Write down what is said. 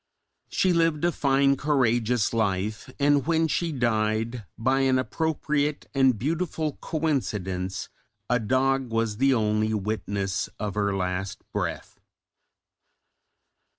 She lived a fine courageous life, and when she died, by an appropriate and beautiful coincidence, a dog was the only witness of her last breath.